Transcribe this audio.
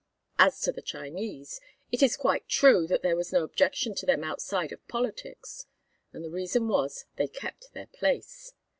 As to the Chinese, it is quite true that there was no objection to them outside of politics. And the reason was, they kept their place.